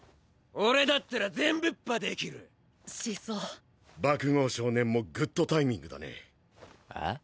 俺だったら全ブッパできるしそう爆豪少年もグッドタイミングだねあ？